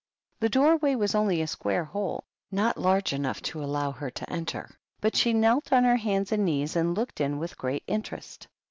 The door way was only a square hole, not large enough to allow her to enter ; but she knelt on her hands and knees, and looked in with great interest.